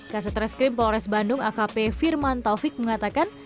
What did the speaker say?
kaset reskrim polres bandung akp firman taufik mengatakan